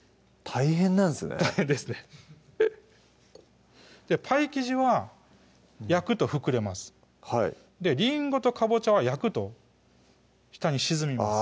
大変ですねパイ生地は焼くと膨れますはいりんごとかぼちゃは焼くと下に沈みます